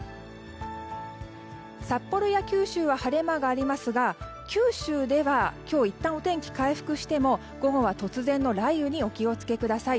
札幌や九州は晴れ間がありますが九州では今日いったんお天気が回復しても午後は突然の雷雨にお気をつけください。